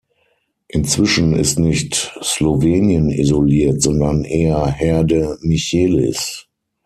Inzwischen ist nicht Slowenien isoliert, sondern eher Herr de Michelis.